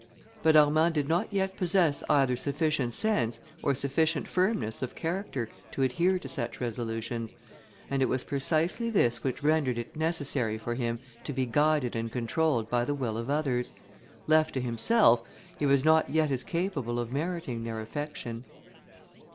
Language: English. But Armand did not yet possess either sufficient sense, or sufficient firmness of character, to adhere to such resolutions, and it was precisely this which rendered it necessary for him to be guided and controlled by the will of others; left to himself, he was not as yet capable of meriting their affection.